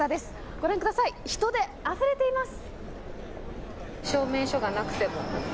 ご覧ください、人であふれています。